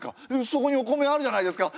そこにお米あるじゃないですか！